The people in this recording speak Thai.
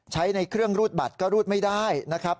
ใช้ในเครื่องรูดบัตรก็รูดไม่ได้นะครับ